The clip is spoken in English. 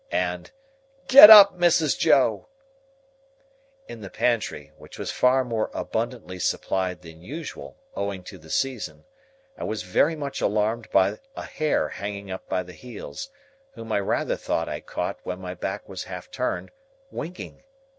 and "Get up, Mrs. Joe!" In the pantry, which was far more abundantly supplied than usual, owing to the season, I was very much alarmed by a hare hanging up by the heels, whom I rather thought I caught, when my back was half turned, winking.